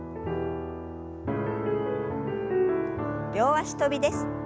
両脚跳びです。